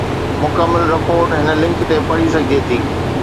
مڪمل رپورٽ هن لنڪ تي پڙهي سگهجي ٿي